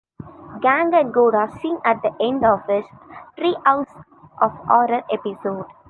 Kang and Kodos sing at the end of this "Treehouse of Horror" episode.